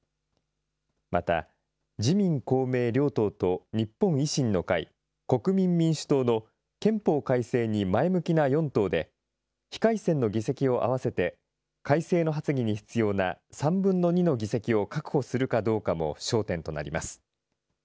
また、自民、公明両党と日本維新の会、国民民主党の憲法改正に前向きな４党で、非改選の議席を合わせて、改正の発議に必要な３分の２の議席を確保するかどうかも焦点となります。